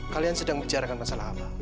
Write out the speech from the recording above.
kalian sedang bicarakan masalah apa